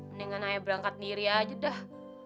mendingan ayah berangkat niri aja dah